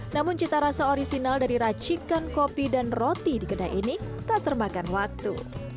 namun cita rasa orisinal dari racikan kopi dan roti di kedai ini tak termakan waktu